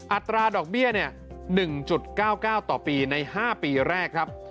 อัตราดอกเบี้ย๑๙๙ต่อปีใน๕ปีแรกครับ